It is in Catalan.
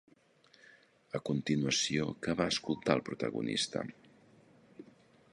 A continuació què va escoltar el protagonista?